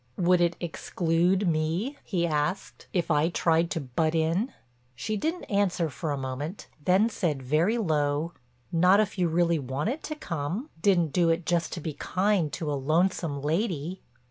"Would it exclude me," he asked, "if I tried to butt in?" She didn't answer for a moment, then said very low: "Not if you really wanted to come—didn't do it just to be kind to a lonesome lady."